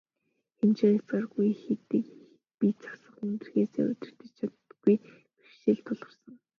Хэмжээ хязгааргүй их иддэг, бие засах, хүндрэхээ удирдаж чадахгүй бэрхшээл тулгарсан.